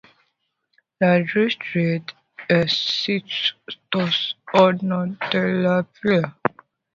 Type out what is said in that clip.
Le district est situé tout au nord de la ville.